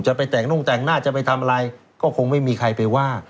ไปแต่งนุ่งแต่งหน้าจะไปทำอะไรก็คงไม่มีใครไปว่า